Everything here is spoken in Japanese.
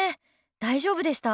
大丈夫でした？